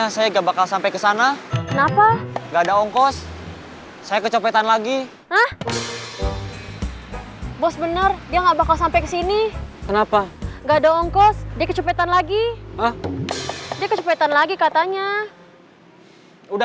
sampai jumpa di video selanjutnya